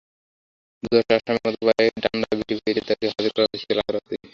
দুর্ধর্ষ আসামির মতো পায়ে ডান্ডা বেড়ি পরিয়ে তাঁকে হাজির করা হয়েছিল আদালতে।